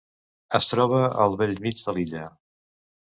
Es troba al bell mig de l'illa.